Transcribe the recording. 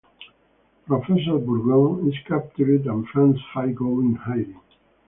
Professor Burgone is captured and France Five go in hiding.